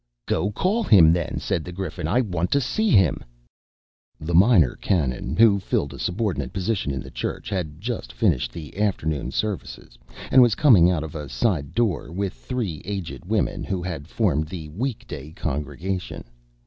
"Go, call him, then!" said the Griffin; "I want to see him." The Minor Canon, who filled a subordinate position in the church, had just finished the afternoon services, and was coming out of a side door, with three aged women who had formed the week day congregation.